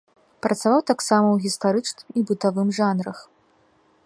Працаваў таксама ў гістарычным і бытавым жанрах.